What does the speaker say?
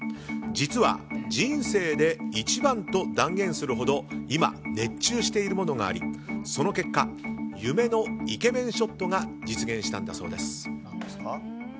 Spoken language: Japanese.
実は、人生で一番と断言するほど今、熱中しているものがありその結果夢のイケメンショットが実現したんだそうです。